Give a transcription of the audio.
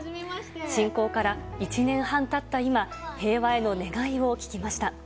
侵攻から１年半経った今平和への願いを聞きました。